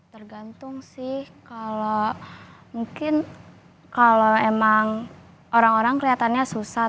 tergantung sih kalau mungkin kalau emang orang orang kelihatannya susah